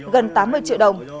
gần tám mươi triệu đồng